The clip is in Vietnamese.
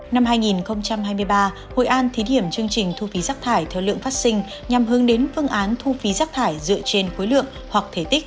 năm hai nghìn hai mươi ba hội an thí điểm chương trình thu phí rác thải theo lượng phát sinh nhằm hướng đến phương án thu phí rác thải dựa trên khối lượng hoặc thể tích